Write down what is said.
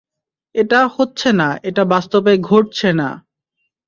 এটা হচ্ছে না, এটা বাস্তবে ঘটছে না।